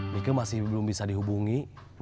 mika masih belum bisa dihubungi